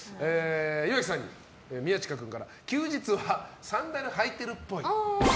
岩城さんに、宮近君から休日はサンダル履いてるっぽい。